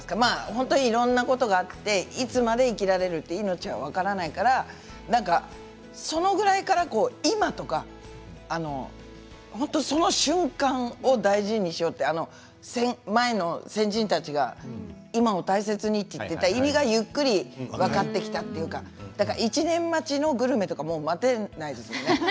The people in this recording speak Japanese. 本当にいろんなことがいつまで生きられるか命は分からないからそのぐらいから今とかその瞬間を大事にしようって前の先人たちが今を大切にって言っていた意味がゆっくり分かってきたというか１年待ちのグルメとかもう待てないですよね。